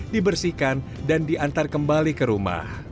dibersihkan dan diantar kembali ke rumah